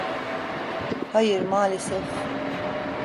Hayır, maalesef.